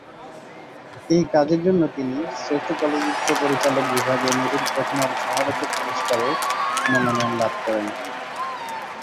এই কাজের জন্য তিনি শ্রেষ্ঠ চলচ্চিত্র পরিচালক বিভাগে মেরিল-প্রথম আলো সমালোচক পুরস্কারের মনোনয়ন লাভ করেন।